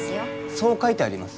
そう書いてあります？